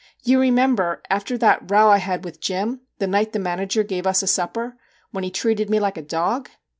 ' You remember after that row I had with Jim, the night the manager gave us a supper when he treated me like a dog?'